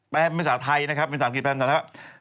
แปลงภาษาไทยนะครับภาษาอังกฤษแปลงภาษาไทยนะครับ